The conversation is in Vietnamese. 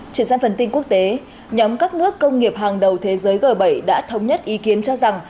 chuyển sang phần tin quốc tế nhóm các nước công nghiệp hàng đầu thế giới g bảy đã thống nhất ý kiến cho rằng